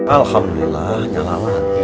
alhamdulillah nyala lagi